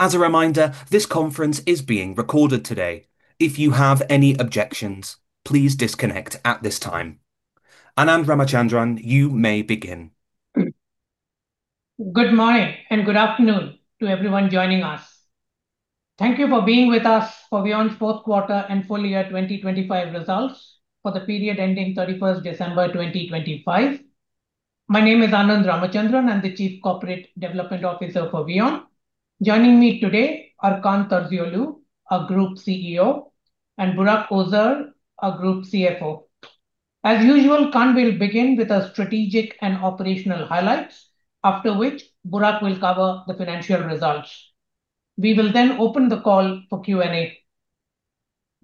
As a reminder, this conference is being recorded today. If you have any objections, please disconnect at this time. Anand Ramachandran, you may begin. Good morning and good afternoon to everyone joining us. Thank you for being with us for VEON's Q4 and Full Year 2025 Results for the period ending December 31, 2025. My name is Anand Ramachandran. I'm the Chief Corporate Development Officer for VEON. Joining me today are Kaan Terzioğlu, our Group CEO, and Burak Özer, our Group CFO. As usual, Kaan will begin with our strategic and operational highlights, after which Burak will cover the financial results. We will then open the call for Q&A.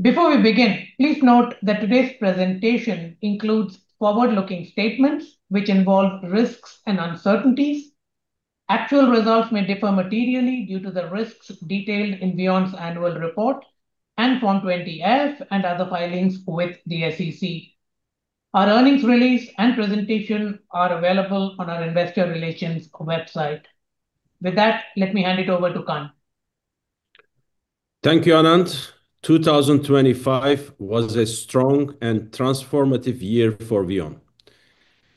Before we begin, please note that today's presentation includes forward-looking statements which involve risks and uncertainties. Actual results may differ materially due to the risks detailed in VEON's annual report and Form 20-F and other filings with the SEC. Our earnings release and presentation are available on our investor relations website. With that, let me hand it over to Kaan. Thank you, Anand. 2025 was a strong and transformative year for VEON.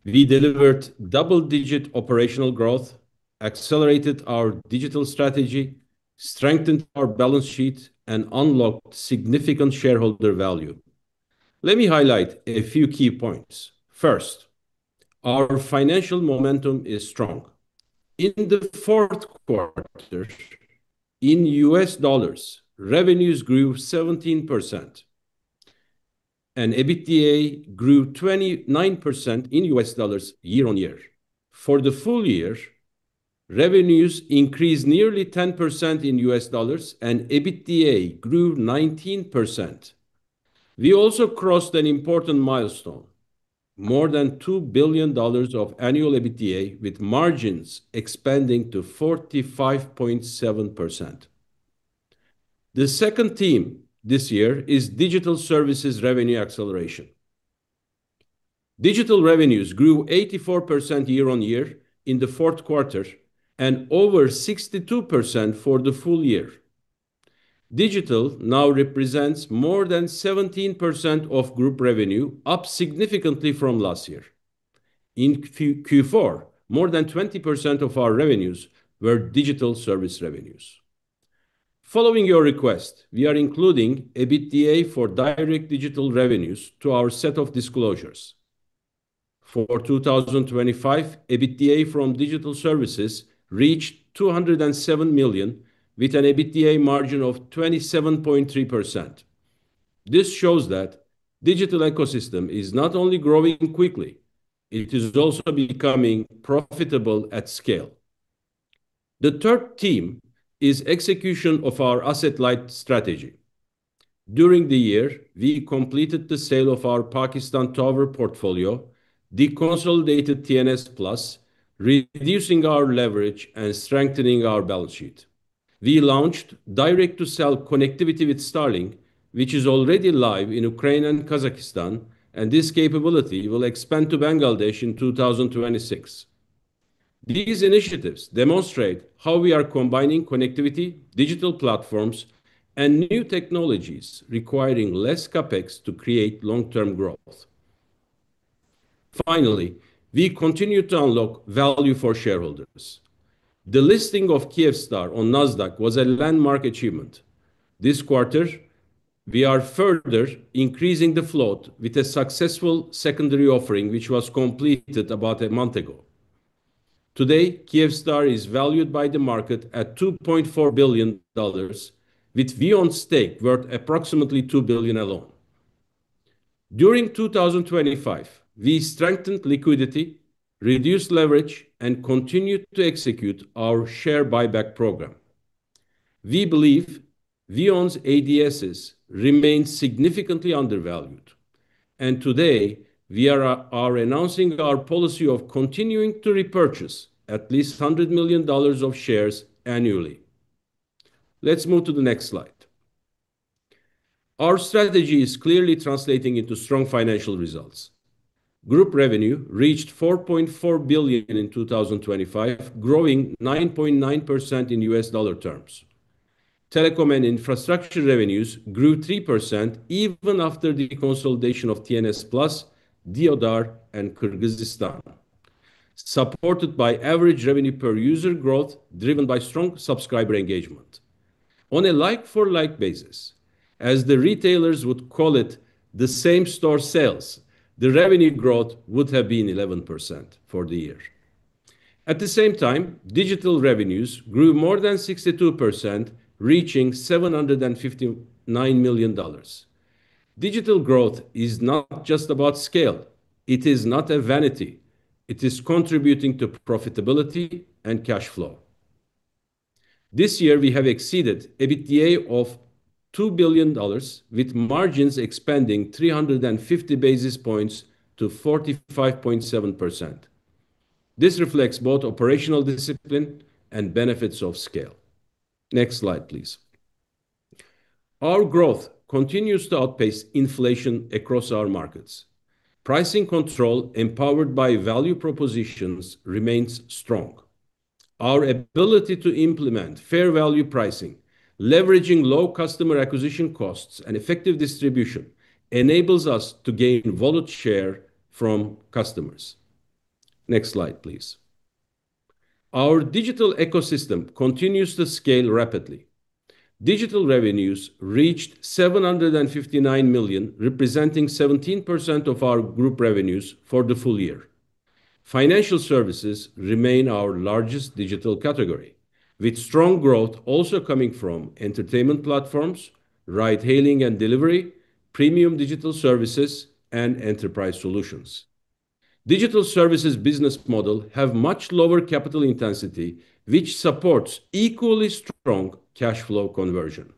We delivered double-digit operational growth, accelerated our digital strategy, strengthened our balance sheet, and unlocked significant shareholder value. Let me highlight a few key points. First, our financial momentum is strong. In the Q4, in US dollars, revenues grew 17%, and EBITDA grew 29% in US dollars year-over-year. For the full year, revenues increased nearly 10% in US dollars, and EBITDA grew 19%. We also crossed an important milestone, more than $2 billion of annual EBITDA with margins expanding to 45.7%. The second theme this year is digital services revenue acceleration. Digital revenues grew 84% year-over-year in the Q4 and over 62% for the full year. Digital now represents more than 17% of group revenue, up significantly from last year. In Q4, more than 20% of our revenues were digital service revenues. Following your request, we are including EBITDA for direct digital revenues to our set of disclosures. For 2025, EBITDA from digital services reached $207 million, with an EBITDA margin of 27.3%. This shows that digital ecosystem is not only growing quickly, it is also becoming profitable at scale. The third theme is execution of our asset-light strategy. During the year, we completed the sale of our Pakistan tower portfolio, deconsolidated TNS Plus, reducing our leverage and strengthening our balance sheet. We launched direct-to-cell connectivity with Starlink, which is already live in Ukraine and Kazakhstan, and this capability will expand to Bangladesh in 2026. These initiatives demonstrate how we are combining connectivity, digital platforms, and new technologies requiring less CapEx to create long-term growth. Finally, we continue to unlock value for shareholders. The listing of Kyivstar on Nasdaq was a landmark achievement. This quarter, we are further increasing the float with a successful secondary offering, which was completed about a month ago. Today, Kyivstar is valued by the market at $2.4 billion, with VEON's stake worth approximately $2 billion alone. During 2025, we strengthened liquidity, reduced leverage, and continued to execute our share buyback program. We believe VEON's ADSs remain significantly undervalued, and today we are announcing our policy of continuing to repurchase at least $100 million of shares annually. Let's move to the next slide. Our strategy is clearly translating into strong financial results. Group revenue reached $4.4 billion in 2025, growing 9.9% in US dollar terms. Telecom and infrastructure revenues grew 3% even after the consolidation of TNS Plus, Deodar, and Kyrgyzstan, supported by average revenue per user growth driven by strong subscriber engagement. On a like-for-like basis, as the retailers would call it the same store sales, the revenue growth would have been 11% for the year. At the same time, digital revenues grew more than 62%, reaching $759 million. Digital growth is not just about scale. It is not a vanity. It is contributing to profitability and cash flow. This year we have exceeded EBITDA of $2 billion with margins expanding 350 basis points to 45.7%. This reflects both operational discipline and benefits of scale. Next slide, please. Our growth continues to outpace inflation across our markets. Pricing control empowered by value propositions remains strong. Our ability to implement fair value pricing leveraging low customer acquisition costs and effective distribution enables us to gain wallet share from customers. Next slide, please. Our digital ecosystem continues to scale rapidly. Digital revenues reached $759 million, representing 17% of our group revenues for the full year. Financial services remain our largest digital category, with strong growth also coming from entertainment platforms, ride hailing and delivery, premium digital services, and enterprise solutions. Digital services business model have much lower capital intensity, which supports equally strong cash flow conversion.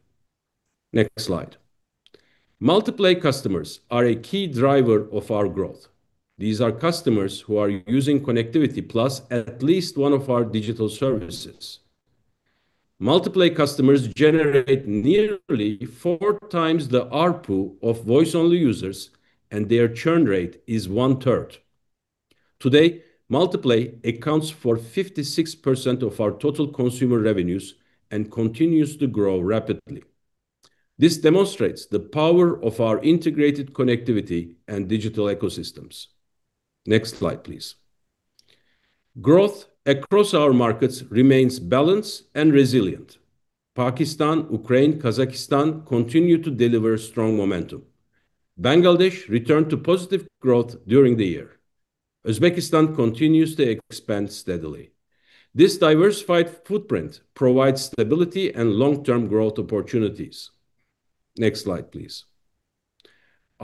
Next slide. Multi-play customers are a key driver of our growth. These are customers who are using Connectivity Plus at least one of our digital services. Multi-play customers generate nearly four times the ARPU of voice-only users, and their churn rate is one-third. Today, multi-play accounts for 56% of our total consumer revenues and continues to grow rapidly. This demonstrates the power of our integrated connectivity and digital ecosystems. Next slide, please. Growth across our markets remains balanced and resilient. Pakistan, Ukraine, Kazakhstan continue to deliver strong momentum. Bangladesh returned to positive growth during the year. Uzbekistan continues to expand steadily. This diversified footprint provides stability and long-term growth opportunities. Next slide, please.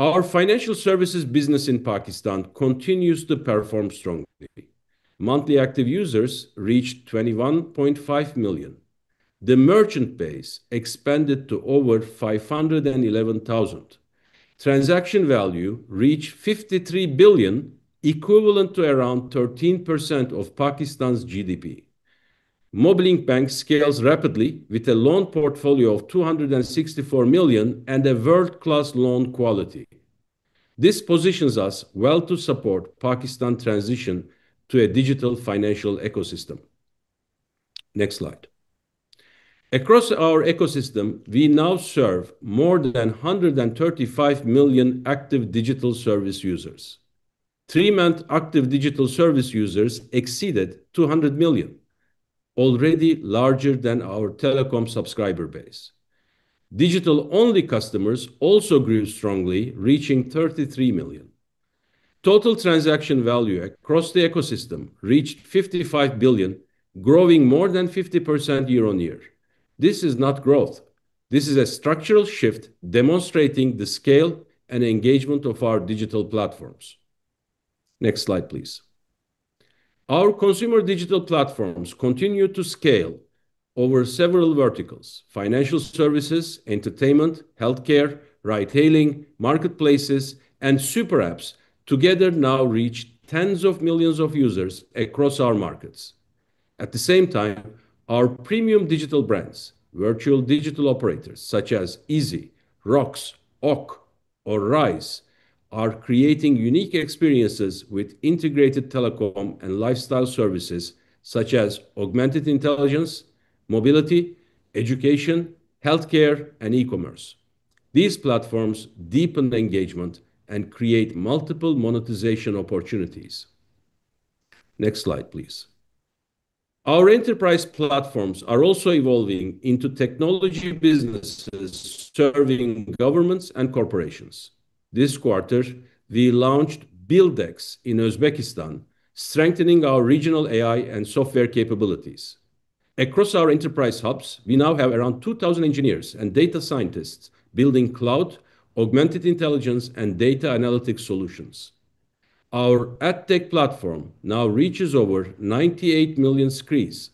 Our financial services business in Pakistan continues to perform strongly. Monthly active users reached 21.5 million. The merchant base expanded to over 511,000. Transaction value reached $53 billion, equivalent to around 13% of Pakistan's GDP. Mobilink Bank scales rapidly with a loan portfolio of $264 million and a world-class loan quality. This positions us well to support Pakistan transition to a digital financial ecosystem. Next slide. Across our ecosystem, we now serve more than 135 million active digital service users. Three-month active digital service users exceeded 200 million, already larger than our telecom subscriber base. Digital-only customers also grew strongly, reaching 33 million. Total transaction value across the ecosystem reached $55 billion, growing more than 50% year-over-year. This is not growth. This is a structural shift demonstrating the scale and engagement of our digital platforms. Next slide, please. Our consumer digital platforms continue to scale over several verticals. Financial services, entertainment, healthcare, ride hailing, marketplaces, and super apps together now reach tens of millions of users across our markets. At the same time, our premium digital brands, virtual digital operators such as IZI, ROX, OQ, or Raiz are creating unique experiences with integrated telecom and lifestyle services such as augmented intelligence, mobility, education, healthcare, and e-commerce. These platforms deepen the engagement and create multiple monetization opportunities. Next slide, please. Our enterprise platforms are also evolving into technology businesses serving governments and corporations. This quarter, we launched Buildix in Uzbekistan, strengthening our regional AI and software capabilities. Across our enterprise hubs, we now have around 2,000 engineers and data scientists building cloud, augmented intelligence, and data analytics solutions. Our AdTech platform now reaches over 98 million screens,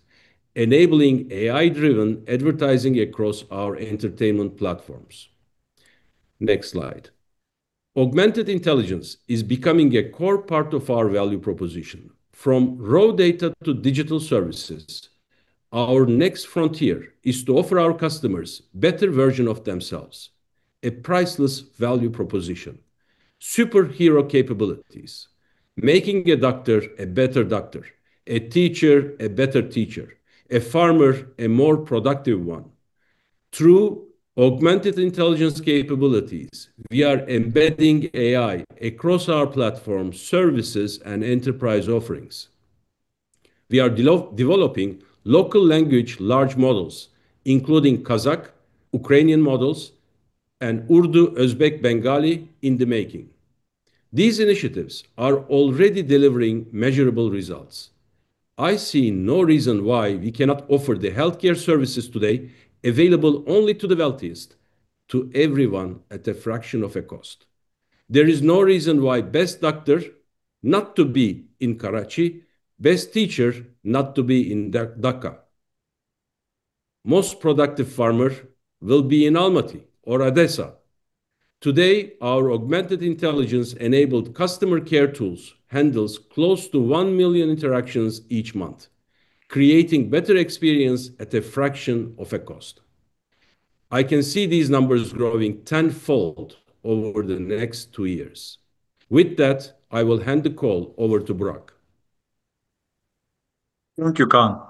enabling AI-driven advertising across our entertainment platforms. Next slide. Augmented intelligence is becoming a core part of our value proposition. From raw data to digital services, our next frontier is to offer our customers better version of themselves, a priceless value proposition, superhero capabilities, making a doctor a better doctor, a teacher a better teacher, a farmer a more productive one. Through augmented intelligence capabilities, we are embedding AI across our platform services and enterprise offerings. We are developing local language large models, including Kazakh, Ukrainian models, and Urdu, Uzbek, Bengali in the making. These initiatives are already delivering measurable results. I see no reason why we cannot offer the healthcare services today available only to the wealthiest, to everyone at a fraction of a cost. There is no reason why best doctor not to be in Karachi, best teacher not to be in Dhaka. Most productive farmer will be in Almaty or Odessa. Today, our augmented intelligence-enabled customer care tools handles close to 1 million interactions each month, creating better experience at a fraction of a cost. I can see these numbers growing tenfold over the next 2 years. With that, I will hand the call over to Burak. Thank you, Kaan.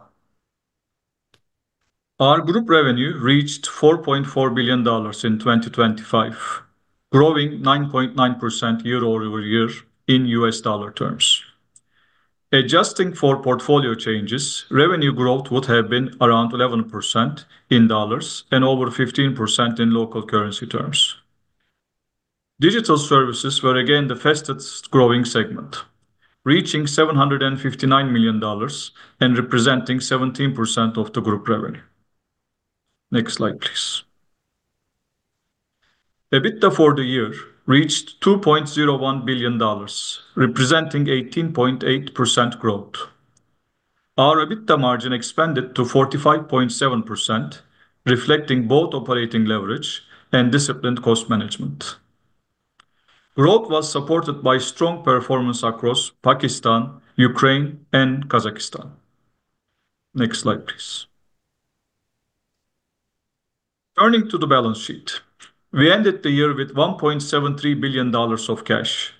Our group revenue reached $4.4 billion in 2025, growing 9.9% year-over-year in US dollar terms. Adjusting for portfolio changes, revenue growth would have been around 11% in dollars and over 15% in local currency terms. Digital services were again the fastest growing segment, reaching $759 million and representing 17% of the group revenue. Next slide, please. EBITDA for the year reached $2.01 billion representing 18.8% growth. Our EBITDA margin expanded to 45.7% reflecting both operating leverage and disciplined cost management. Growth was supported by strong performance across Pakistan, Ukraine, and Kazakhstan. Next slide, please. Turning to the balance sheet. We ended the year with $1.73 billion of cash,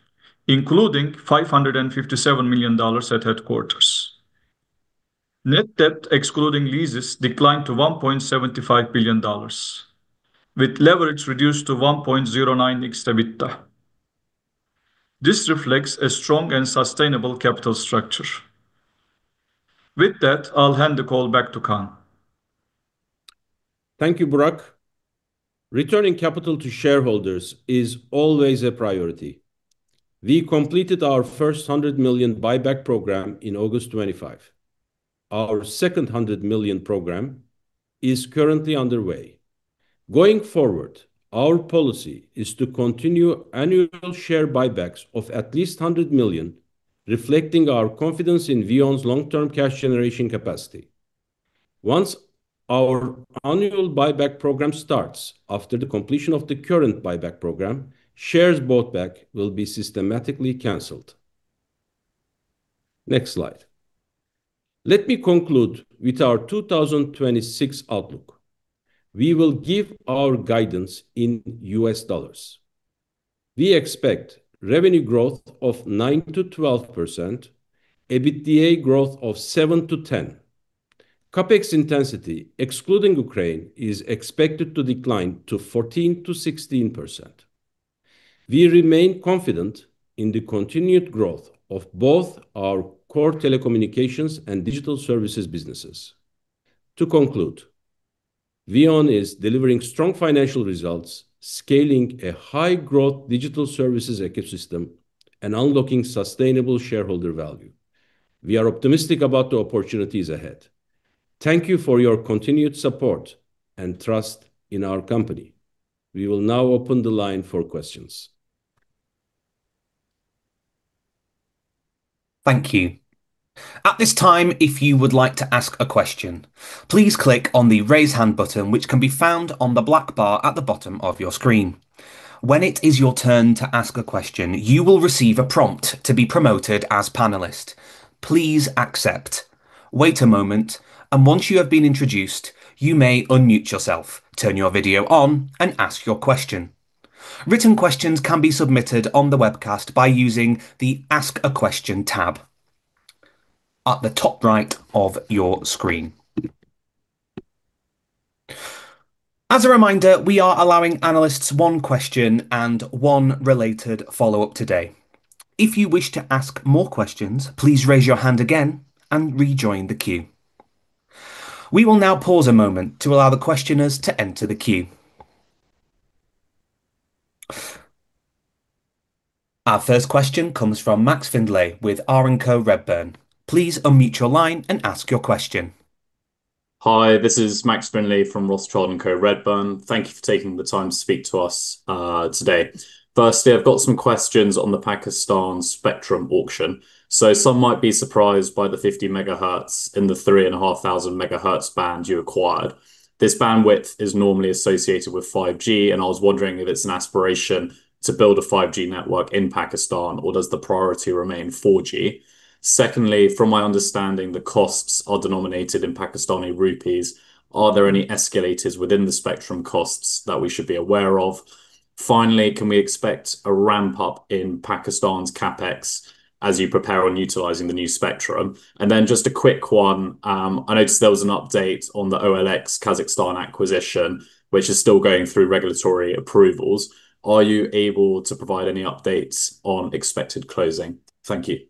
including $557 million at headquarters. Net debt excluding leases declined to $1.75 billion with leverage reduced to 1.09x EBITDA. This reflects a strong and sustainable capital structure. With that, I'll hand the call back to Kaan. Thank you, Burak. Returning capital to shareholders is always a priority. We completed our first $100 million buyback program in August 2025. Our second $100 million program is currently underway. Going forward, our policy is to continue annual share buybacks of at least $100 million, reflecting our confidence in VEON's long-term cash generation capacity. Once our annual buyback program starts after the completion of the current buyback program, shares bought back will be systematically canceled. Next slide. Let me conclude with our 2026 outlook. We will give our guidance in US dollars. We expect revenue growth of 9%-12%, EBITDA growth of 7%-10%. CapEx intensity excluding Ukraine is expected to decline to 14%-16%. We remain confident in the continued growth of both our core telecommunications and digital services businesses. To conclude, VEON is delivering strong financial results, scaling a high growth digital services ecosystem and unlocking sustainable shareholder value. We are optimistic about the opportunities ahead. Thank you for your continued support and trust in our company. We will now open the line for questions. Thank you. At this time, if you would like to ask a question, please click on the Raise Hand button which can be found on the black bar at the bottom of your screen. When it is your turn to ask a question, you will receive a prompt to be promoted to panelist. Please accept. Wait a moment, and once you have been introduced, you may unmute yourself, turn your video on, and ask your question. Written questions can be submitted on the webcast by using the Ask a Question tab at the top right of your screen. As a reminder, we are allowing analysts one question and one related follow-up today. If you wish to ask more questions, please raise your hand again and rejoin the queue. We will now pause a moment to allow the questioners to enter the queue. Our first question comes from Max Findlay with R&Co Redburn. Please unmute your line and ask your question. Hi, this is Max Findlay from Rothschild & Co Redburn. Thank you for taking the time to speak to us, today. Firstly, I've got some questions on the Pakistan spectrum auction. Some might be surprised by the 50 MHz in the 3,500 MHz band you acquired. This bandwidth is normally associated with 5G, and I was wondering if it's an aspiration to build a 5G network in Pakistan, or does the priority remain 4G? Secondly, from my understanding, the costs are denominated in Pakistani rupees. Are there any escalators within the spectrum costs that we should be aware of? Finally, can we expect a ramp up in Pakistan's CapEx as you prepare on utilizing the new spectrum? Just a quick one. I noticed there was an update on the OLX Kazakhstan acquisition, which is still going through regulatory approvals. Are you able to provide any updates on expected closing? Thank you.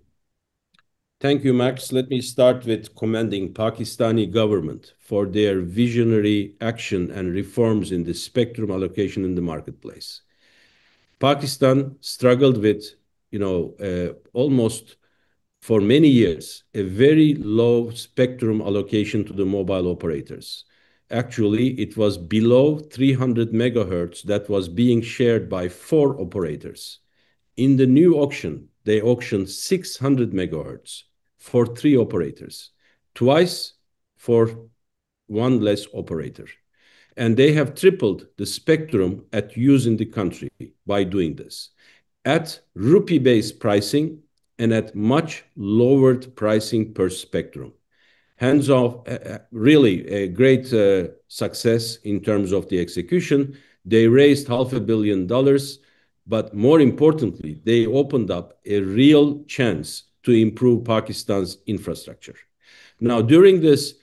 Thank you, Max. Let me start with commending Pakistani government for their visionary action and reforms in the spectrum allocation in the marketplace. Pakistan struggled with, you know, almost for many years a very low spectrum allocation to the mobile operators. Actually, it was below 300 MHz that was being shared by four operators. In the new auction, they auctioned 600 MHz for three operators. Twice for one less operator. They have tripled the spectrum in use in the country by doing this at rupee-based pricing and at much lower pricing per spectrum. Hands-off, really a great success in terms of the execution. They raised half a billion dollars, but more importantly, they opened up a real chance to improve Pakistan's infrastructure. Now, during this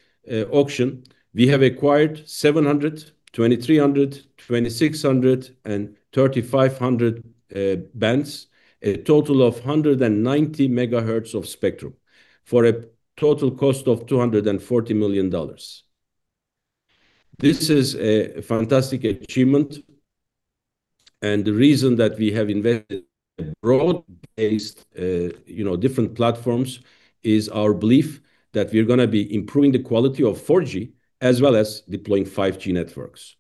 auction, we have acquired 700, 2300, 2600, and 3500 bands, a total of 190 MHz of spectrum for a total cost of $240 million. This is a fantastic achievement, and the reason that we have invested broad-based, you know, different platforms is our belief that we're gonna be improving the quality of 4G as well as deploying 5G networks.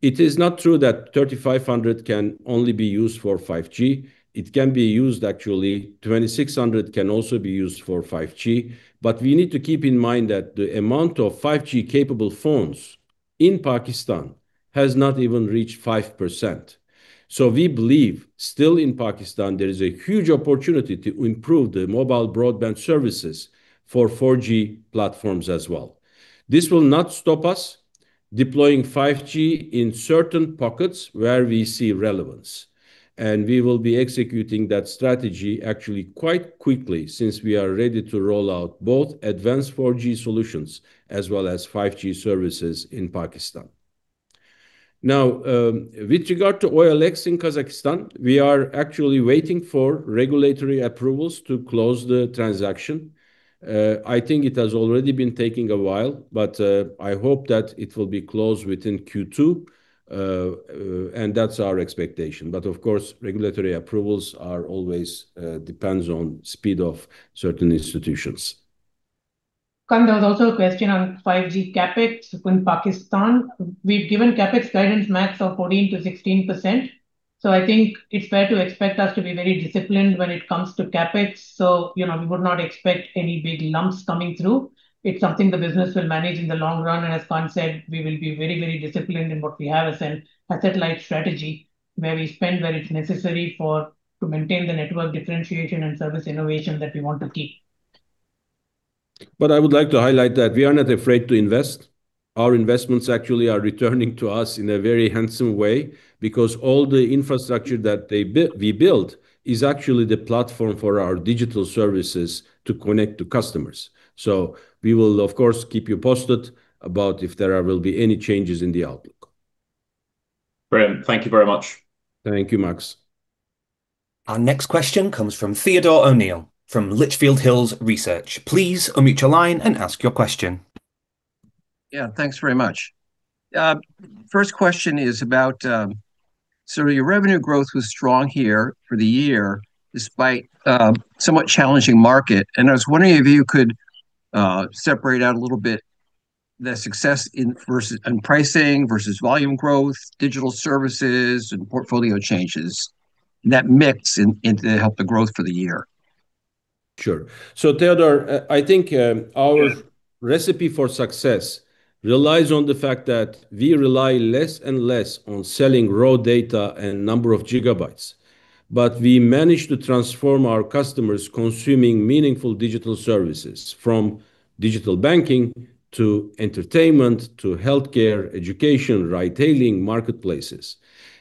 It is not true that 3500 can only be used for 5G. It can be used, actually, 2600 can also be used for 5G, but we need to keep in mind that the amount of 5G capable phones in Pakistan has not even reached 5%. We believe still in Pakistan there is a huge opportunity to improve the mobile broadband services for 4G platforms as well. This will not stop us deploying 5G in certain pockets where we see relevance, and we will be executing that strategy actually quite quickly since we are ready to roll out both advanced 4G solutions as well as 5G services in Pakistan. Now, with regard to OLX in Kazakhstan, we are actually waiting for regulatory approvals to close the transaction. I think it has already been taking a while, but I hope that it will be closed within Q2. And that's our expectation. But of course, regulatory approvals are always depends on speed of certain institutions. Kaan, there was also a question on 5G CapEx in Pakistan. We've given CapEx guidance max of 14%-16%, so I think it's fair to expect us to be very disciplined when it comes to CapEx. You know, we would not expect any big lumps coming through. It's something the business will manage in the long run, and as Kaan said, we will be very, very disciplined in what we have as a satellite strategy where we spend where it's necessary to maintain the network differentiation and service innovation that we want to keep. I would like to highlight that we are not afraid to invest. Our investments actually are returning to us in a very handsome way because all the infrastructure that we build is actually the platform for our digital services to connect to customers. We will of course keep you posted about if there will be any changes in the outlook. Brilliant. Thank you very much. Thank you, Max. Our next question comes from Theodore O'Neill from Litchfield Hills Research. Please unmute your line and ask your question. Yeah, thanks very much. First question is about so your revenue growth was strong here for the year despite somewhat challenging market. I was wondering if you could separate out a little bit the success in pricing versus volume growth, digital services and portfolio changes and that mix in to help the growth for the year. Sure. Theodore, I think our recipe for success relies on the fact that we rely less and less on selling raw data and number of gigabytes. We managed to transform our customers consuming meaningful digital services from digital banking to entertainment to healthcare, education, retailing, marketplaces.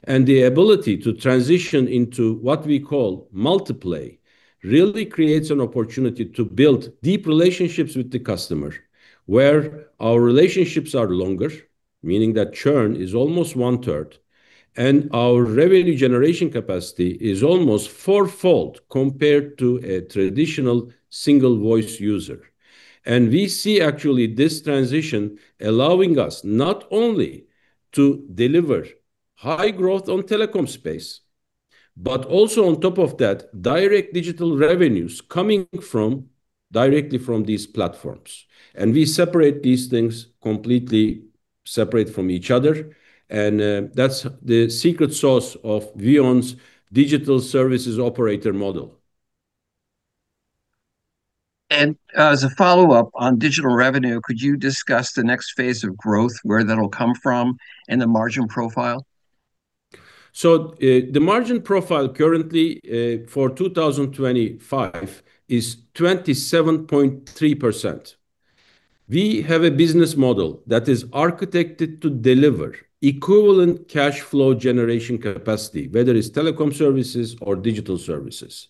The ability to transition into what we call multi-play really creates an opportunity to build deep relationships with the customer where our relationships are longer, meaning that churn is almost one-third and our revenue generation capacity is almost four-fold compared to a traditional single voice user. We see actually this transition allowing us not only to deliver high growth on telecom space, but also on top of that, direct digital revenues coming directly from these platforms. We separate these things completely separate from each other. That's the secret sauce of VEON's digital services operator model. As a follow-up on digital revenue, could you discuss the next phase of growth, where that'll come from and the margin profile? The margin profile currently for 2025 is 27.3%. We have a business model that is architected to deliver equivalent cash flow generation capacity, whether it's telecom services or digital services.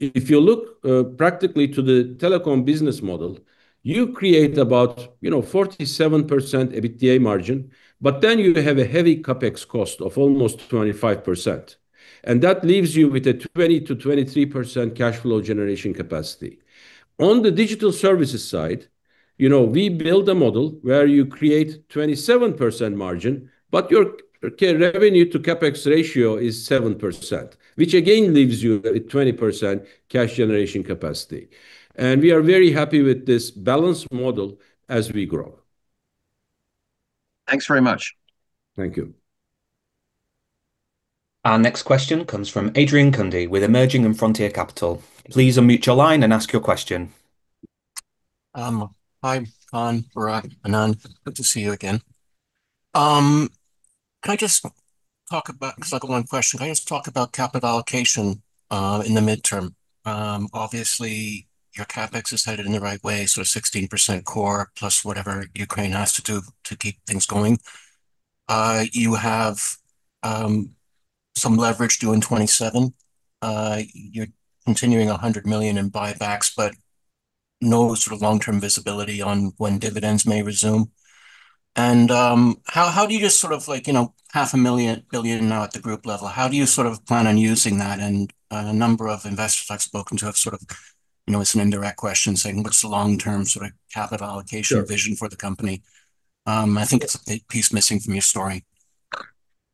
If you look practically to the telecom business model, you create about, you know, 47% EBITDA margin, but then you have a heavy CapEx cost of almost 25%, and that leaves you with a 20%-23% cash flow generation capacity. On the digital services side, you know, we build a model where you create 27% margin, but your CapEx-to-revenue ratio is 7%, which again leaves you with a 20% cash generation capacity. We are very happy with this balanced model as we grow. Thanks very much. Thank you. Our next question comes from Adrian Cundy with Emerging & Frontier Capital. Please unmute your line and ask your question. Hi, Kaan, Burak, Anand. Good to see you again. 'Cause I've got one question. Can I just talk about capital allocation in the midterm? Obviously, your CapEx is headed in the right way, so 16% core plus whatever Ukraine has to do to keep things going. You have some leverage due in 2027. You're continuing $100 million in buybacks but no sort of long-term visibility on when dividends may resume. How do you just sort of like, you know, half a billion now at the group level, how do you sort of plan on using that? A number of investors I've spoken to have sort of, you know, some indirect questions saying, "What's the long-term sort of capital allocation? Sure Vision for the company? I think it's a big piece missing from your story.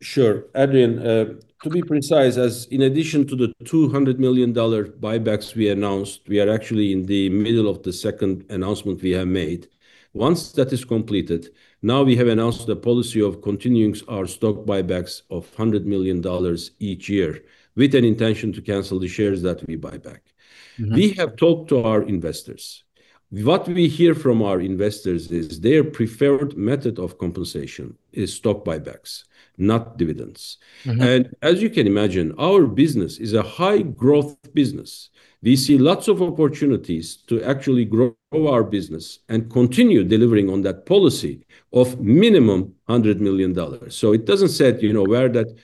Sure. Adrian, to be precise, as in addition to the $200 million buybacks we announced, we are actually in the middle of the second announcement we have made. Once that is completed, now we have announced the policy of continuing our stock buybacks of $100 million each year with an intention to cancel the shares that we buy back. Mm-hmm. We have talked to our investors. What we hear from our investors is their preferred method of compensation is stock buybacks, not dividends. Mm-hmm. As you can imagine, our business is a high growth business. We see lots of opportunities to actually grow our business and continue delivering on that policy of minimum $100 million. It doesn't set, you know, where that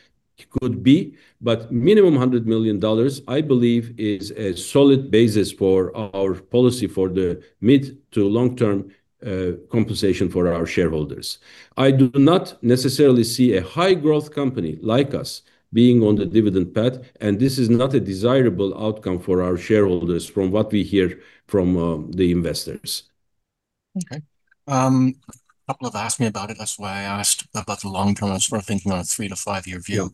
could be, but minimum $100 million, I believe, is a solid basis for our policy for the mid- to long-term compensation for our shareholders. I do not necessarily see a high growth company like us being on the dividend path, and this is not a desirable outcome for our shareholders from what we hear from the investors. Okay. A couple have asked me about it, that's why I asked about the long term. I was sort of thinking on a three to five year view. Yeah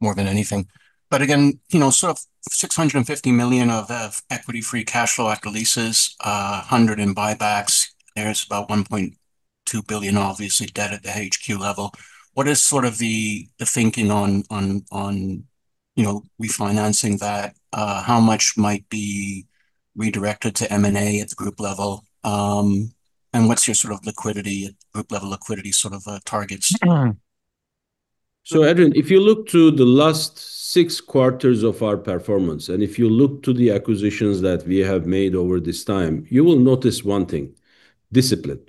More than anything. Again, you know, sort of $650 million of equity free cash flow after leases, $100 million in buybacks. There's about $1.2 billion obviously debt at the HQ level. What is sort of the thinking on you know refinancing that? How much might be redirected to M&A at the group level? And what's your sort of group level liquidity targets? Adrian, if you look to the last six quarters of our performance, and if you look to the acquisitions that we have made over this time, you will notice one thing, discipline.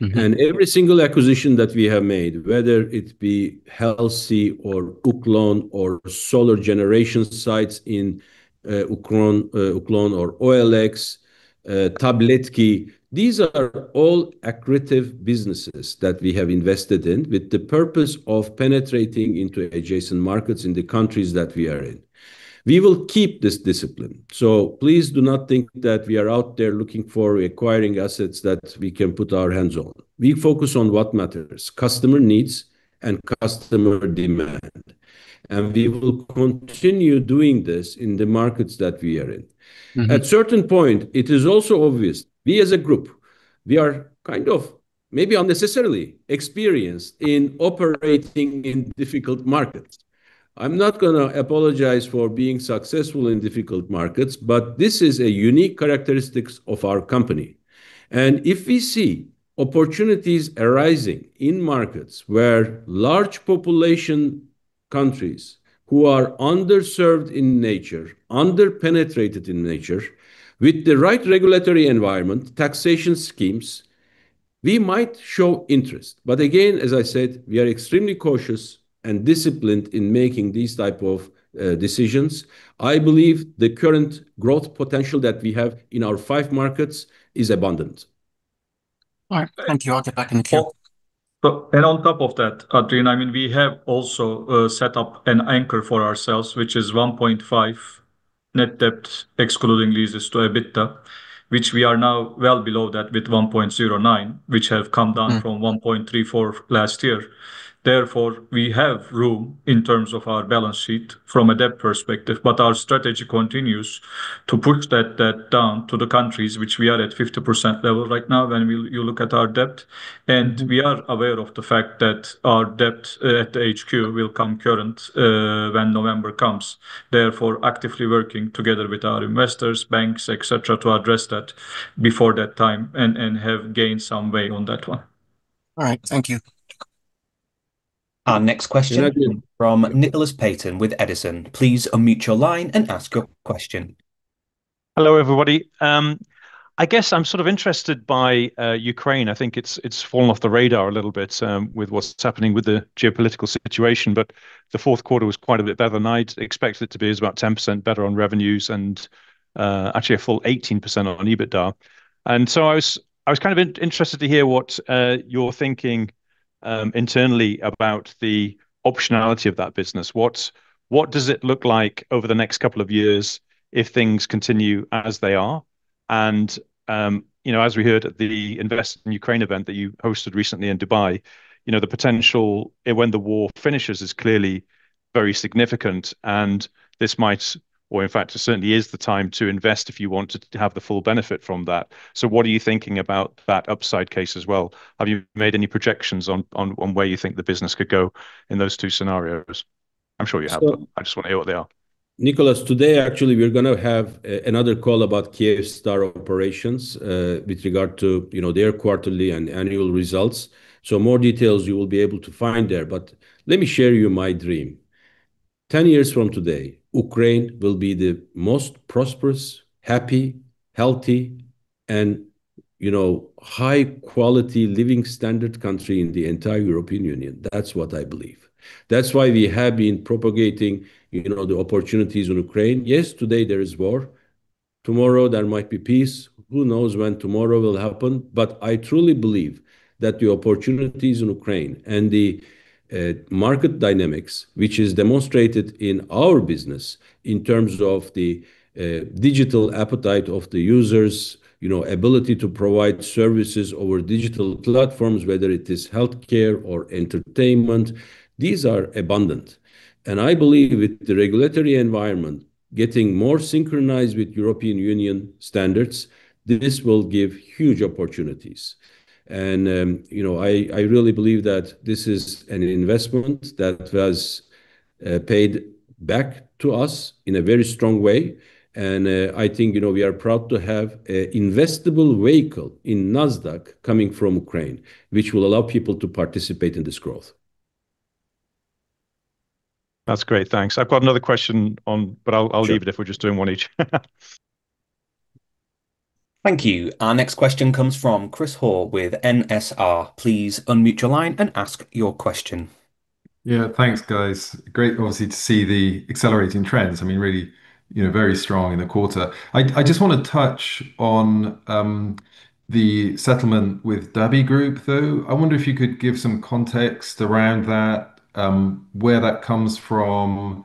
Mm-hmm. Every single acquisition that we have made, whether it be Helsi or Uklon or solar generation sites in Uklon or OLX, Tabletki.ua, these are all accretive businesses that we have invested in with the purpose of penetrating into adjacent markets in the countries that we are in. We will keep this discipline. Please do not think that we are out there looking for acquiring assets that we can put our hands on. We focus on what matters, customer needs and customer demand, and we will continue doing this in the markets that we are in. Mm-hmm. At a certain point, it is also obvious, we as a group, we are kind of maybe unnecessarily experienced in operating in difficult markets. I'm not gonna apologize for being successful in difficult markets, but this is a unique characteristic of our company. If we see opportunities arising in markets where large population countries who are underserved in nature, under-penetrated in nature, with the right regulatory environment, taxation schemes, we might show interest. But again, as I said, we are extremely cautious and disciplined in making these type of decisions. I believe the current growth potential that we have in our five markets is abundant. All right. Thank you. I'll get back in the queue. So- On top of that, Adrian, I mean we have also set up an anchor for ourselves, which is 1.5 net debt excluding leases to EBITDA, which we are now well below that with 1.09, which have come down from 1.34 last year. Therefore, we have room in terms of our balance sheet from a debt perspective. Our strategy continues to push that debt down to the countries which we are at 50% level right now when you look at our debt. We are aware of the fact that our debt at the HQ will come current when November comes. Therefore, actively working together with our investors, banks, et cetera, to address that before that time and have gained some way on that one. All right. Thank you. Our next question. Thank you. From Nicholas Paton with Edison. Please unmute your line and ask your question. Hello, everybody. I guess I'm sort of interested by Ukraine. I think it's fallen off the radar a little bit with what's happening with the geopolitical situation. The Q4 was quite a bit better than I expected it to be. It was about 10% better on revenues and actually a full 18% on EBITDA. I was kind of interested to hear what you're thinking internally about the optionality of that business. What does it look like over the next couple of years if things continue as they are? You know, as we heard at the Invest in Ukraine event that you hosted recently in Dubai, you know, the potential when the war finishes is clearly very significant, and this might In fact, it certainly is the time to invest if you want to have the full benefit from that. What are you thinking about that upside case as well? Have you made any projections on where you think the business could go in those two scenarios? I'm sure you have. So- I just wanna hear what they are. Nicholas, today, actually, we're gonna have another call about Kyivstar operations with regard to, you know, their quarterly and annual results. More details you will be able to find there. Let me share you my dream. Ten years from today, Ukraine will be the most prosperous, happy, healthy and, you know, high quality living standard country in the entire European Union. That's what I believe. That's why we have been propagating, you know, the opportunities in Ukraine. Yes, today there is war. Tomorrow there might be peace. Who knows when tomorrow will happen? I truly believe that the opportunities in Ukraine and the market dynamics, which is demonstrated in our business in terms of the digital appetite of the users, you know, ability to provide services over digital platforms, whether it is healthcare or entertainment, these are abundant. I believe with the regulatory environment getting more synchronized with European Union standards, this will give huge opportunities. You know, I really believe that this is an investment that was paid back to us in a very strong way, and I think, you know, we are proud to have an investable vehicle in Nasdaq coming from Ukraine, which will allow people to participate in this growth. That's great. Thanks. I've got another question but I'll leave it if we're just doing one each. Thank you. Our next question comes from Chris Hoare with NSR. Please unmute your line and ask your question. Yeah, thanks, guys. Great obviously to see the accelerating trends. I mean, really, you know, very strong in the quarter. I just wanna touch on the settlement with Dhabi Group, though. I wonder if you could give some context around that, where that comes from,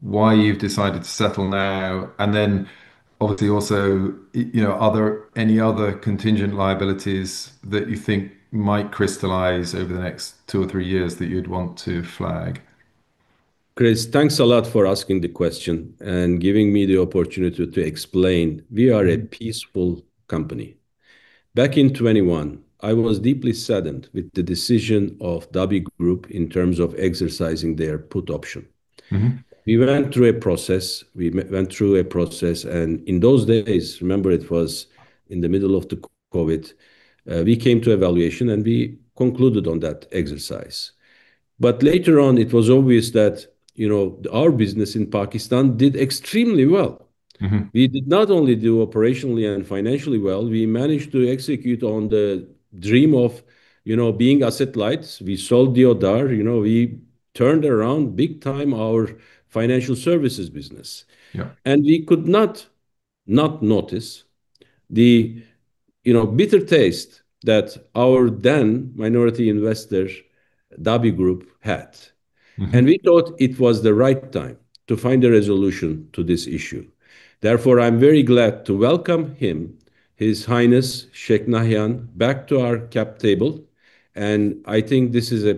why you've decided to settle now, and then obviously also, you know, are there any other contingent liabilities that you think might crystallize over the next two or three years that you'd want to flag? Chris, thanks a lot for asking the question and giving me the opportunity to explain. We are a peaceful company. Back in 2021, I was deeply saddened with the decision of Dhabi Group in terms of exercising their put option. Mm-hmm. We went through a process, and in those days, remember, it was in the middle of the COVID, we came to valuation, and we concluded on that exercise. Later on, it was obvious that, you know, our business in Pakistan did extremely well. Mm-hmm. We did not only do operationally and financially well, we managed to execute on the dream of, you know, being asset light. We sold the Deodar. You know, we turned around big time our financial services business. Yeah. We could not notice the, you know, bitter taste that our then minority investor, Dhabi Group, had. Mm-hmm. We thought it was the right time to find a resolution to this issue. Therefore, I'm very glad to welcome him, His Highness Sheikh Nahyan, back to our cap table, and I think this is a,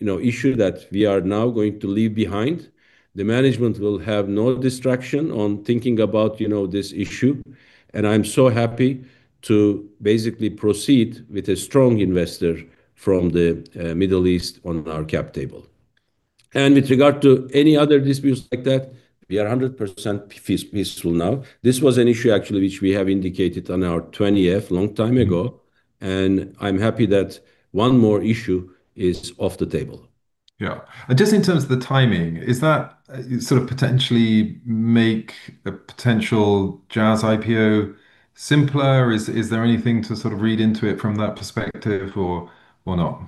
you know, issue that we are now going to leave behind. The management will have no distraction on thinking about, you know, this issue, and I'm so happy to basically proceed with a strong investor from the Middle East on our cap table. With regard to any other disputes like that, we are 100% peaceful now. This was an issue actually which we have indicated on our Form 20-F long time ago, and I'm happy that one more issue is off the table. Yeah. Just in terms of the timing, is that sort of potentially make a potential Jazz IPO simpler? Is there anything to sort of read into it from that perspective or not?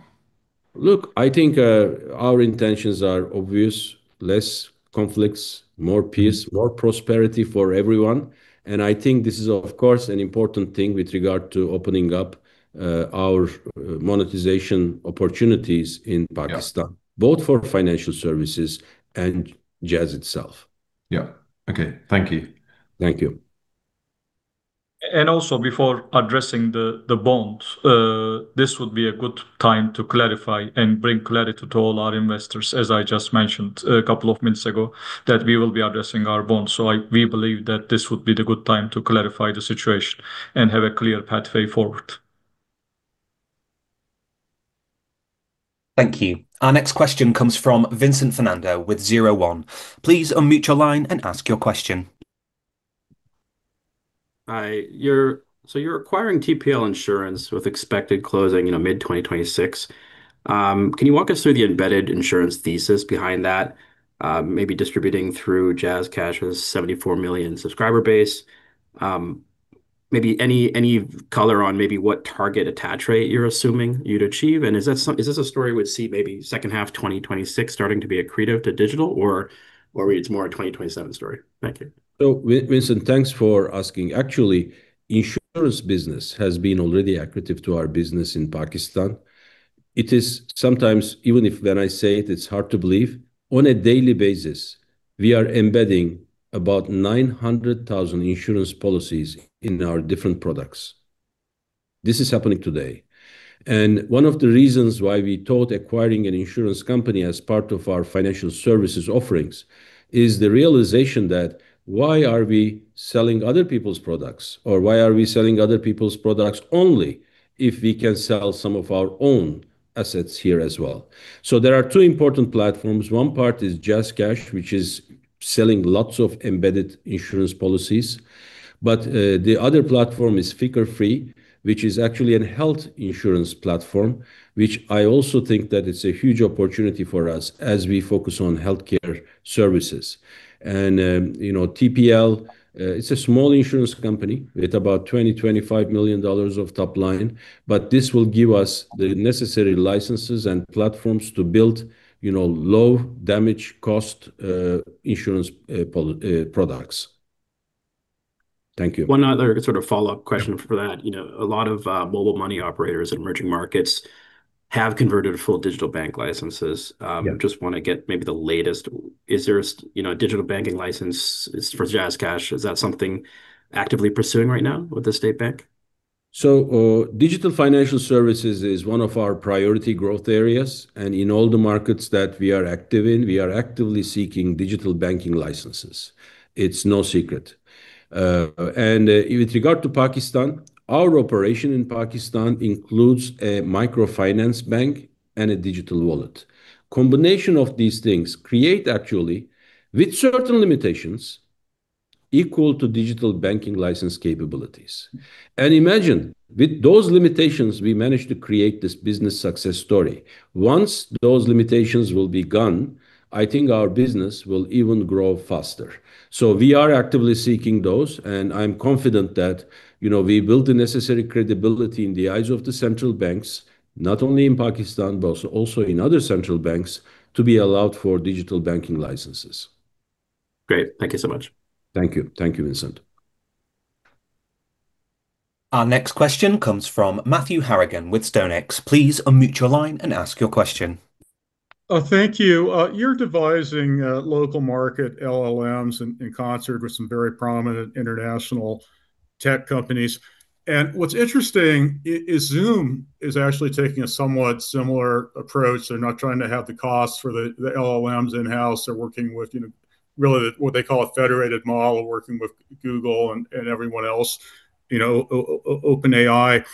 Look, I think our intentions are obvious. Less conflicts, more peace, more prosperity for everyone. I think this is, of course, an important thing with regard to opening up our monetization opportunities in Pakistan. Yeah Both for financial services and Jazz itself. Yeah. Okay. Thank you. Thank you. Also before addressing the bonds, this would be a good time to clarify and bring clarity to all our investors, as I just mentioned a couple of minutes ago, that we will be addressing our bonds. We believe that this would be the good time to clarify the situation and have a clear pathway forward. Thank you. Our next question comes from Vincent Fernando with Zero One. Please unmute your line and ask your question. Hi. You're acquiring TPL Insurance with expected closing mid-2026. Can you walk us through the embedded insurance thesis behind that, maybe distributing through JazzCash's 74 million subscriber base? Maybe any color on what target attach rate you're assuming you'd achieve? Is this a story we'd see maybe second half 2026 starting to be accretive to digital or it's more a 2027 story? Thank you. Vincent, thanks for asking. Actually, insurance business has been already accretive to our business in Pakistan. It is sometimes, even if when I say it's hard to believe, on a daily basis, we are embedding about 900,000 insurance policies in our different products. This is happening today. One of the reasons why we thought acquiring an insurance company as part of our financial services offerings is the realization that why are we selling other people's products only if we can sell some of our own assets here as well? There are two important platforms. One part is JazzCash, which is selling lots of embedded insurance policies. The other platform is FikrFree, which is actually a health insurance platform, which I also think that it's a huge opportunity for us as we focus on healthcare services. You know, TPL it's a small insurance company with about $20-$25 million of top line, but this will give us the necessary licenses and platforms to build, you know, low damage cost insurance products. Thank you. One other sort of follow-up question for that. You know, a lot of mobile money operators in emerging markets have converted to full digital bank licenses. Yeah. Just wanna get maybe the latest. Is there, you know, a digital banking license for JazzCash? Is that something actively pursuing right now with the State Bank? Digital financial services is one of our priority growth areas, and in all the markets that we are active in, we are actively seeking digital banking licenses. It's no secret. With regard to Pakistan, our operation in Pakistan includes a microfinance bank and a digital wallet. Combination of these things create actually, with certain limitations, equal to digital banking license capabilities. Imagine, with those limitations, we managed to create this business success story. Once those limitations will be gone, I think our business will even grow faster. We are actively seeking those, and I'm confident that, you know, we build the necessary credibility in the eyes of the central banks, not only in Pakistan, but also in other central banks, to be allowed for digital banking licenses. Great. Thank you so much. Thank you. Thank you, Vincent. Our next question comes from Matthew Harrigan with StoneX. Please unmute your line and ask your question. Thank you. You're devising local market LLMs in concert with some very prominent international tech companies, and what's interesting is Zoom is actually taking a somewhat similar approach. They're not trying to have the costs for the LLMs in-house. They're working with, you know, really what they call a federated model, working with Google and everyone else, you know, OpenAI.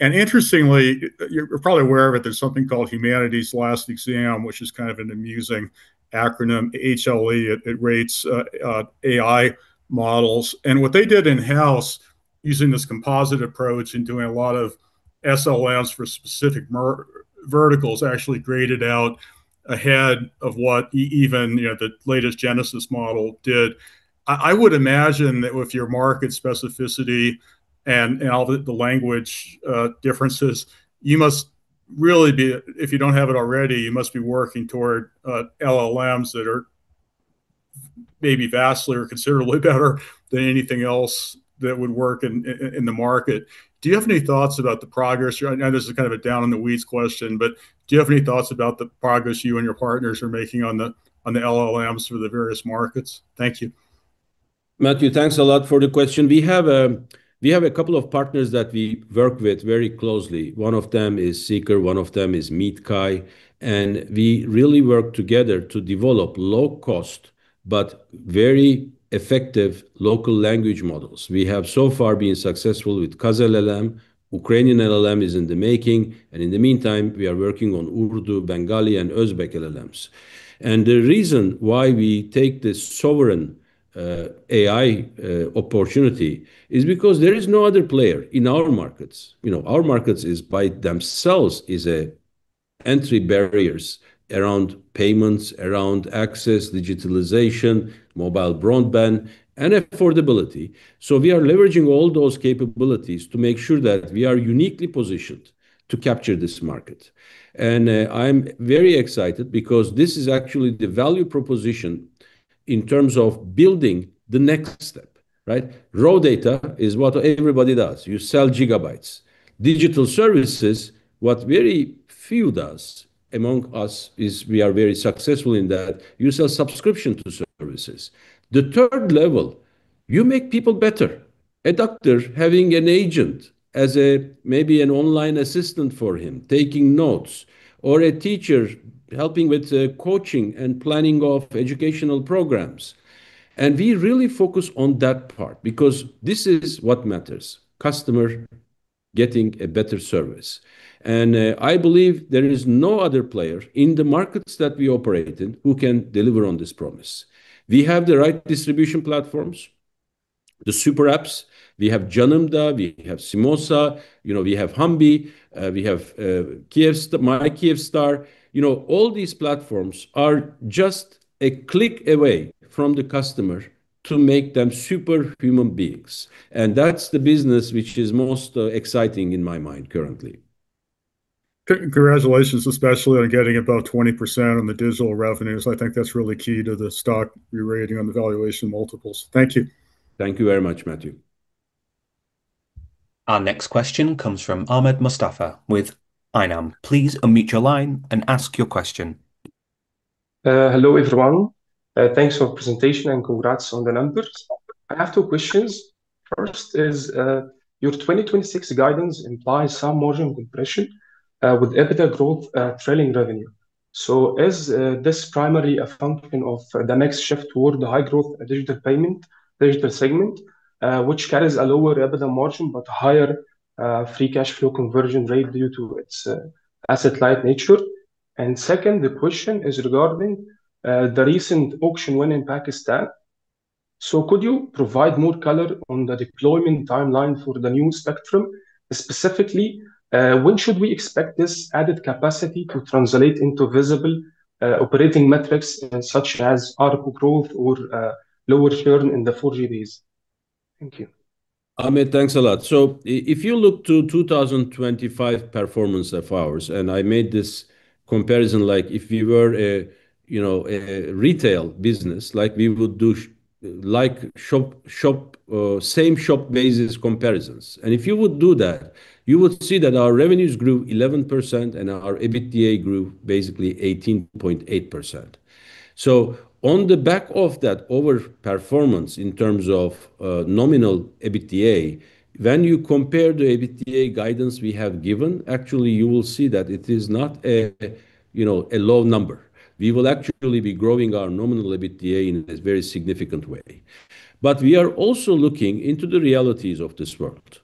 Interestingly, you're probably aware of it, there's something called Humanity's Last Exam, which is kind of an amusing acronym, HLE. It rates AI models. What they did in-house using this composite approach and doing a lot of SLMs for specific verticals actually graded out ahead of what even, you know, the latest Gemini model did. I would imagine that with your market specificity and all the language differences, you must really be, if you don't have it already, you must be working toward LLMs that are maybe vastly or considerably better than anything else that would work in the market. Do you have any thoughts about the progress? I know this is kind of a down in the weeds question, but do you have any thoughts about the progress you and your partners are making on the LLMs for the various markets? Thank you. Matthew, thanks a lot for the question. We have a couple of partners that we work with very closely. One of them is Seeker, one of them is MeetKai, and we really work together to develop low cost but very effective local language models. We have so far been successful with Kazakh LLM, Ukrainian LLM is in the making, and in the meantime, we are working on Urdu, Bengali and Uzbek LLMs. The reason why we take this sovereign AI opportunity is because there is no other player in our markets. You know, our markets is by themselves is a entry barriers around payments, around access, digitalization, mobile broadband and affordability. We are leveraging all those capabilities to make sure that we are uniquely positioned to capture this market. I'm very excited because this is actually the value proposition in terms of building the next step, right? Raw data is what everybody does. You sell gigabytes. Digital services, what very few does among us is we are very successful in that you sell subscription to services. The third level, you make people better. A doctor having an agent as a maybe an online assistant for him taking notes or a teacher helping with, coaching and planning of educational programs. We really focus on that part because this is what matters, customer getting a better service. I believe there is no other player in the markets that we operate in who can deliver on this promise. We have the right distribution platforms, the super apps. We have JanaMD, we have Tamasha, you know, we have Hambi, we have Kyivstar, My Kyivstar. You know, all these platforms are just a click away from the customer to make them super human beings. That's the business which is most exciting in my mind currently. Congratulations, especially on getting about 20% on the digital revenues. I think that's really key to the stock rerating on the valuation multiples. Thank you. Thank you very much, Matthew. Our next question comes from Ahmed Mostafa with Inam. Please unmute your line and ask your question. Hello, everyone. Thanks for presentation and congrats on the numbers. I have two questions. First is, your 2026 guidance implies some margin compression, with EBITDA growth trailing revenue. Is this primarily a function of the mix shift toward the high growth digital segment, which carries a lower EBITDA margin but higher free cash flow conversion rate due to its asset light nature? And second, the question is regarding the recent auction win in Pakistan. Could you provide more color on the deployment timeline for the new spectrum? Specifically, when should we expect this added capacity to translate into visible operating metrics such as ARPU growth or lower churn in the 4G base? Thank you. Ahmed, thanks a lot. If you look to 2025 performance of ours, and I made this comparison like if we were a, you know, a retail business, like we would do same-store basis comparisons. If you would do that, you would see that our revenues grew 11% and our EBITDA grew basically 18.8%. On the back of that overperformance in terms of nominal EBITDA, when you compare the EBITDA guidance we have given, actually you will see that it is not a, you know, a low number. We will actually be growing our nominal EBITDA in a very significant way. We are also looking into the realities of this world.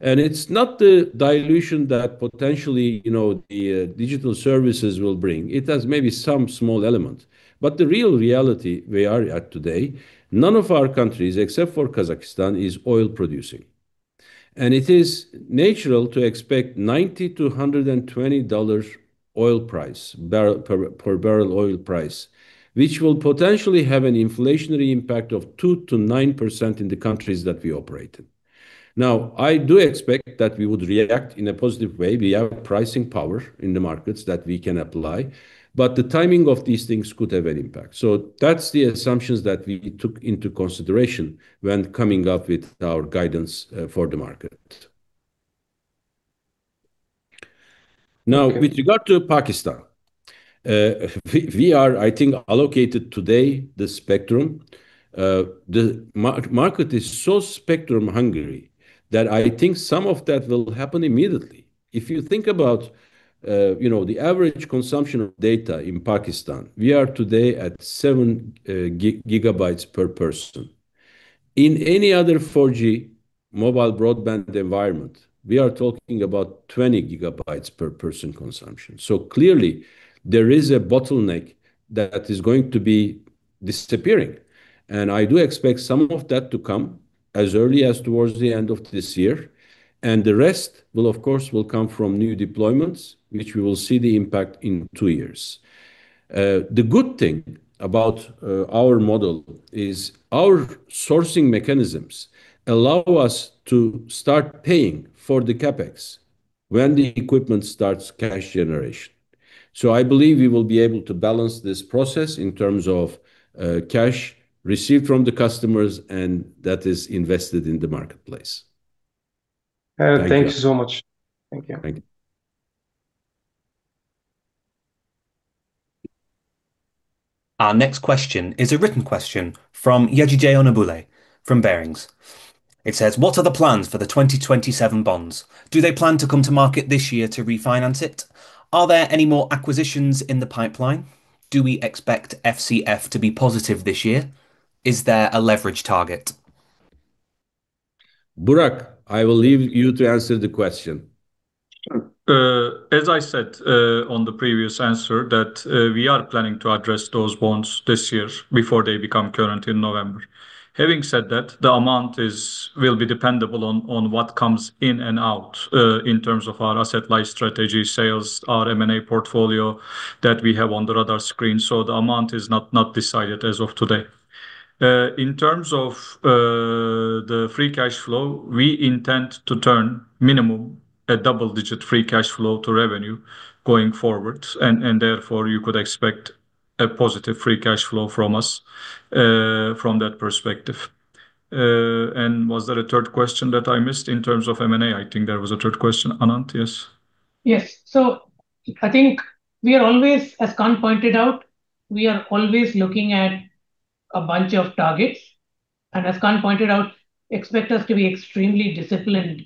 It's not the dilution that potentially, you know, the digital services will bring. It has maybe some small element. The real reality we are at today, none of our countries, except for Kazakhstan, is oil producing. It is natural to expect $90-$120 per barrel oil price, which will potentially have an inflationary impact of 2%-9% in the countries that we operate in. Now, I do expect that we would react in a positive way. We have pricing power in the markets that we can apply. The timing of these things could have an impact. That's the assumptions that we took into consideration when coming up with our guidance for the market. Okay. Now, with regard to Pakistan, we are, I think, allocated today the spectrum. The market is so spectrum hungry that I think some of that will happen immediately. If you think about, you know, the average consumption of data in Pakistan, we are today at 7 GB per person. In any other 4G mobile broadband environment, we are talking about 20 gigabytes per person consumption. Clearly there is a bottleneck that is going to be disappearing, and I do expect some of that to come as early as towards the end of this year, and the rest will of course come from new deployments, which we will see the impact in two years. The good thing about our model is our sourcing mechanisms allow us to start paying for the CapEx when the equipment starts cash generation. I believe we will be able to balance this process in terms of cash received from the customers and that is invested in the marketplace. Thank you. Thank you so much. Thank you. Thank you. Our next question is a written question from Yejide Onabule from Barings. It says: What are the plans for the 2027 bonds? Do they plan to come to market this year to refinance it? Are there any more acquisitions in the pipeline? Do we expect FCF to be positive this year? Is there a leverage target? Burak, I will leave you to answer the question. Sure. As I said, on the previous answer that we are planning to address those bonds this year before they become current in November. Having said that, the amount will be dependent on what comes in and out in terms of our asset light strategy, sales, our M&A portfolio that we have on the radar screen. So the amount is not decided as of today. In terms of the free cash flow, we intend to turn minimum a double-digit free cash flow to revenue going forward and therefore you could expect a positive free cash flow from us from that perspective. Was there a third question that I missed in terms of M&A? I think there was a third question, Anand, yes. Yes. I think we are always, as Kaan pointed out, we are always looking at a bunch of targets. As Kaan pointed out, expect us to be extremely disciplined,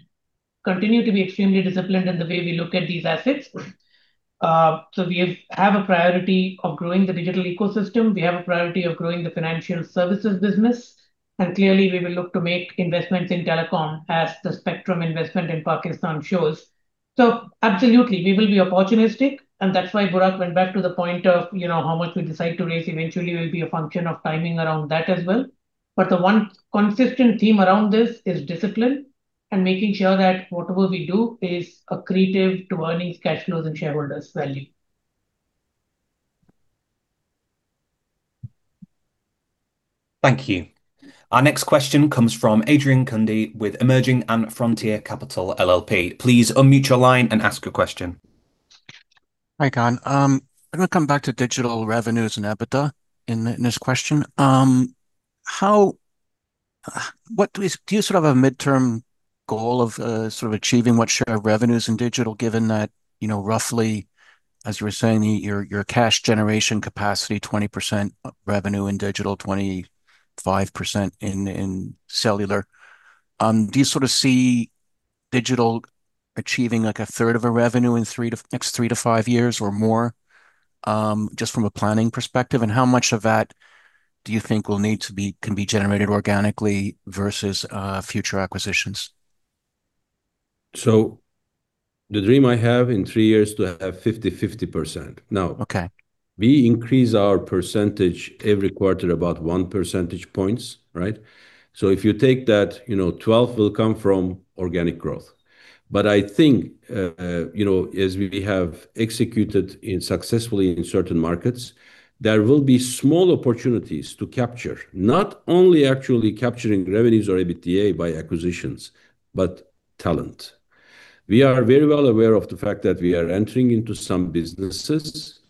continue to be extremely disciplined in the way we look at these assets. We have a priority of growing the digital ecosystem. We have a priority of growing the financial services business, and clearly we will look to make investments in telecom as the spectrum investment in Pakistan shows. Absolutely, we will be opportunistic, and that's why Burak went back to the point of, you know, how much we decide to raise eventually will be a function of timing around that as well. The one consistent theme around this is discipline and making sure that whatever we do is accretive to earnings, cash flows, and shareholders value. Thank you. Our next question comes from Adrian Cundy with Emerging & Frontier Capital LLP. Please unmute your line and ask your question. Hi, Kaan. I'm gonna come back to digital revenues and EBITDA in this question. How- Do you sort of have a midterm goal of sort of achieving what share of revenues in digital given that, you know, roughly, as we're saying, your cash generation capacity 20% revenue in digital, 25% in cellular. Do you sort of see digital achieving like a third of revenue in next three-five years or more, just from a planning perspective? How much of that do you think can be generated organically versus future acquisitions? The dream I have in three years to have 50-50%. Now Okay We increase our percentage every quarter about 1 percentage points, right? If you take that, you know, 12 will come from organic growth. I think, you know, as we have executed it successfully in certain markets, there will be small opportunities to capture not only actually capturing revenues or EBITDA by acquisitions, but talent. We are very well aware of the fact that we are entering into some businesses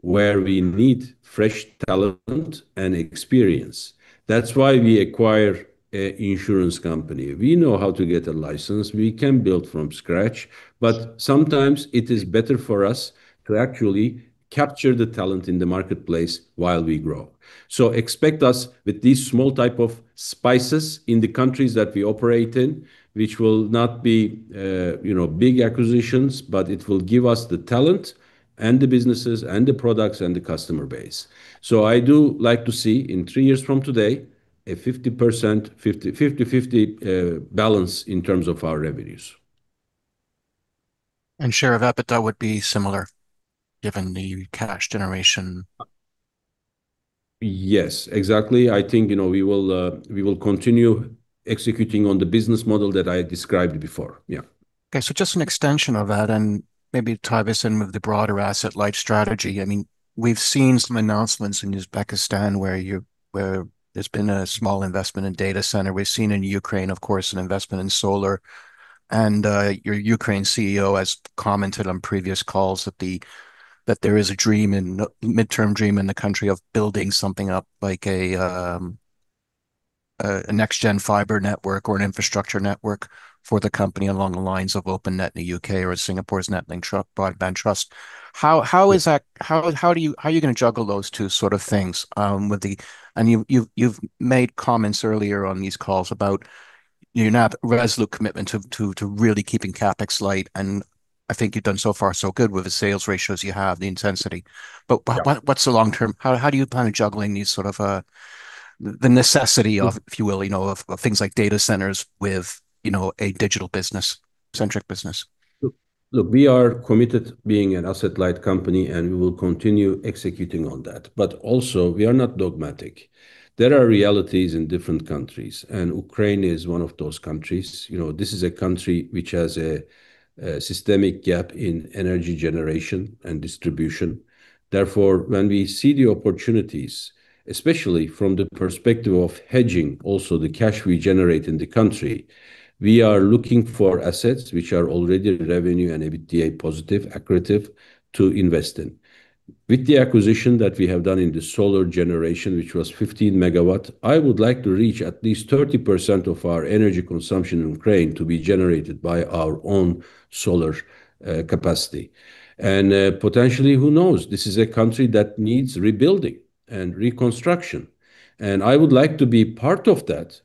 where we need fresh talent and experience. That's why we acquire an insurance company. We know how to get a license. We can build from scratch, but sometimes it is better for us to actually capture the talent in the marketplace while we grow. Expect us with these small type of acquisitions in the countries that we operate in, which will not be big acquisitions, but it will give us the talent and the businesses and the products and the customer base. I do like to see in three years from today, a 50-50 balance in terms of our revenues. Share of EBITDA would be similar given the cash generation. Yes, exactly. I think, you know, we will continue executing on the business model that I described before. Yeah. Okay. Just an extension of that and maybe tie this in with the broader asset-light strategy. I mean, we've seen some announcements in Uzbekistan where there's been a small investment in data center. We've seen in Ukraine, of course, an investment in solar. Your Ukraine CEO has commented on previous calls that there is a midterm dream in the country of building something up like a next gen fiber network or an infrastructure network for the company along the lines of Openreach net in the U.K. or Singapore's NetLink NBN Trust. How are you gonna juggle those two sort of things with the? You've made comments earlier on these calls about your resolute commitment to really keeping CapEx light, and I think you've done so far so good with the sales ratios you have, the intensity. Yeah What's the long term? How do you plan on juggling these sort of the necessity of, if you will, you know, of things like data centers with, you know, a digital business-centric business? Look, we are committed being an asset-light company, and we will continue executing on that. Also we are not dogmatic. There are realities in different countries, and Ukraine is one of those countries. You know, this is a country which has a systemic gap in energy generation and distribution. Therefore, when we see the opportunities, especially from the perspective of hedging also the cash we generate in the country, we are looking for assets which are already revenue and EBITDA positive, accretive to invest in. With the acquisition that we have done in the solar generation, which was 15 MW, I would like to reach at least 30% of our energy consumption in Ukraine to be generated by our own solar capacity. Potentially, who knows? This is a country that needs rebuilding and reconstruction, and I would like to be part of that.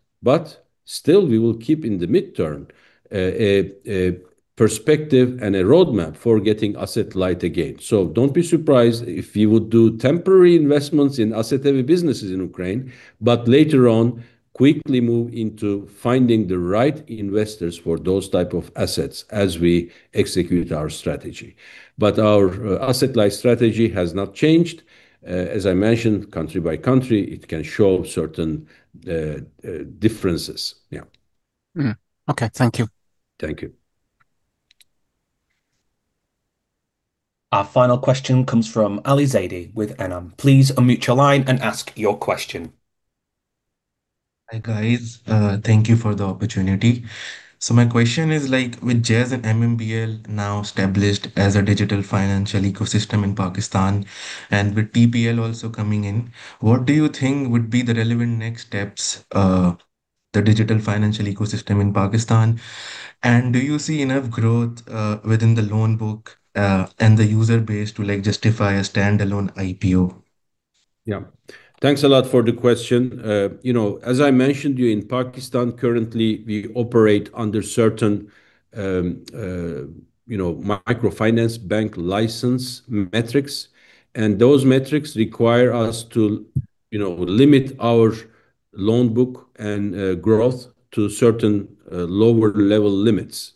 Still we will keep in the midterm, a perspective and a roadmap for getting asset-light again. Don't be surprised if we would do temporary investments in asset-heavy businesses in Ukraine, but later on, quickly move into finding the right investors for those type of assets as we execute our strategy. Our asset-light strategy has not changed. As I mentioned, country by country, it can show certain differences. Yeah. Mm-hmm. Okay. Thank you. Thank you. Our final question comes from Ali Zaidi with INAM. Please unmute your line and ask your question. Hi, guys. Thank you for the opportunity. My question is like with Jazz and MMBL now established as a digital financial ecosystem in Pakistan and with TPL also coming in, what do you think would be the relevant next steps, the digital financial ecosystem in Pakistan? Do you see enough growth within the loan book and the user base to, like, justify a standalone IPO? Yeah. Thanks a lot for the question. You know, as I mentioned in Pakistan currently, we operate under certain, you know, microfinance bank license metrics, and those metrics require us to, you know, limit our loan book and growth to certain lower level limits.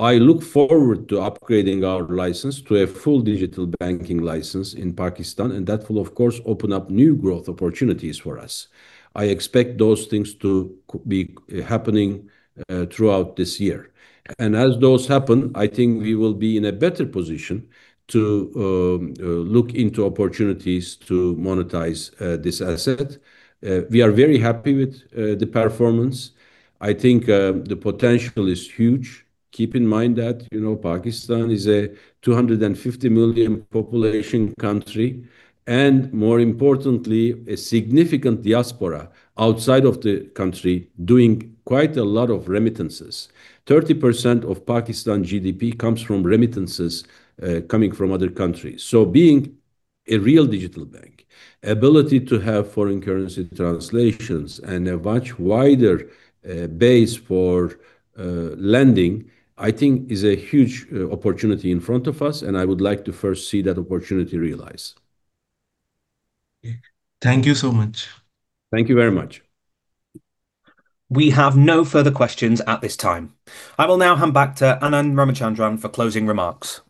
I look forward to upgrading our license to a full digital banking license in Pakistan, and that will of course open up new growth opportunities for us. I expect those things to be happening throughout this year. As those happen, I think we will be in a better position to look into opportunities to monetize this asset. We are very happy with the performance. I think the potential is huge. Keep in mind that, you know, Pakistan is a 250 million population country, and more importantly, a significant diaspora outside of the country doing quite a lot of remittances. 30% of Pakistan GDP comes from remittances, coming from other countries. Being a real digital bank, ability to have foreign currency translations and a much wider base for lending, I think is a huge opportunity in front of us, and I would like to first see that opportunity realized. Thank you so much. Thank you very much. We have no further questions at this time. I will now hand back to Anand Ramachandran for closing remarks.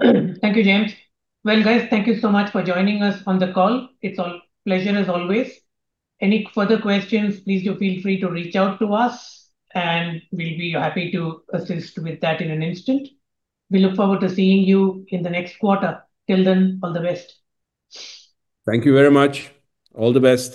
Thank you, James. Well, guys, thank you so much for joining us on the call. It's a pleasure as always. Any further questions, please do feel free to reach out to us, and we'll be happy to assist with that in an instant. We look forward to seeing you in the next quarter. Till then, all the best. Thank you very much. All the best.